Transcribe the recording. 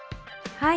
はい。